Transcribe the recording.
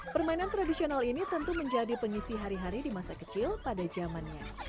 permainan tradisional ini tentu menjadi pengisi hari hari di masa kecil pada zamannya